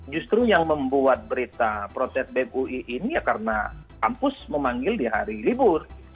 justru yang membuat berita protes bem ui ini ya karena kampus memanggil di hari libur